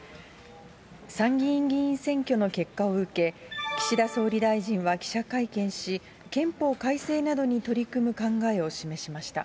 参議院議員選挙の結果を受け、岸田総理大臣は記者会見し、憲法改正などに取り組む考えを示しました。